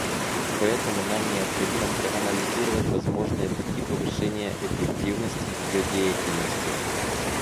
Поэтому нам необходимо проанализировать возможные пути повышения эффективности ее деятельности.